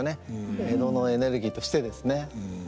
江戸のエネルギーとしてですね。